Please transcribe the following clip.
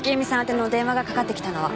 宛ての電話がかかってきたのは。